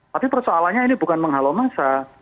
tapi persoalannya ini bukan menghalau massa